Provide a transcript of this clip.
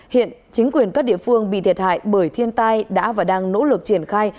hiện chính quyền các địa phương bị thiệt hại bởi thiên tai đã và đang nỗ lực triển khai